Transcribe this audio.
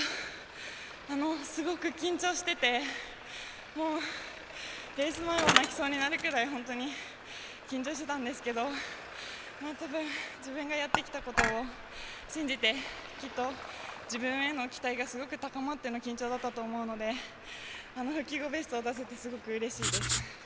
すごく緊張しててレース前は泣きそうになるぐらい本当に緊張してたんですけど自分がやってきたことを信じてきっと自分への期待がすごい高まっての緊張だったと思うので復帰後ベストを出せてよかったです。